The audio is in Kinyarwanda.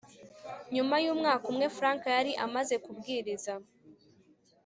Nyuma y umwaka umwe frank yari amaze kubwiriza